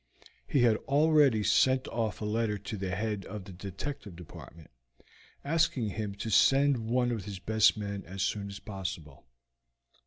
He had already sent off a letter to the head of the Detective Department, asking him to send down one of his best men as soon as possible.